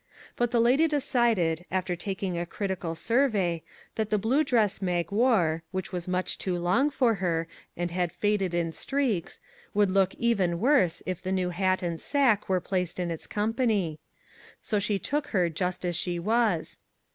But the lady decided, after taking a critical survey, that the blue dress Mag wore, which was much too long for her, and had faded in streaks, would look even MAG AND MARGARET worse if the new hat and sack were placed in its company. So she took her just as she was.